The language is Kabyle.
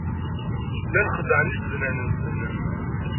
Llan xeddɛen tisednan-nsen.